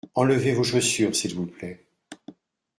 Enlevez vos chaussures s’il vous plait.